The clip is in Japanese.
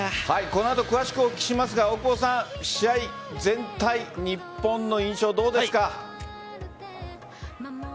この後詳しくお聞きしますが試合全体日本の印象どうですか？